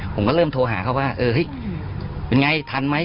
ผมก็เริ่มโทรหาเขาว่าเออเฮ้ยเป็นไงทันไหม